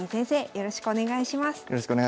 よろしくお願いします。